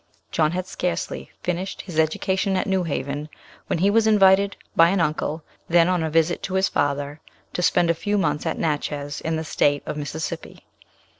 John had scarcely finished his education at New Haven, when he was invited by an uncle, then on a visit to his father, to spend a few months at Natchez in the state of Mississippi.